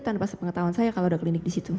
tanpa sepengetahuan saya kalau ada klinik di situ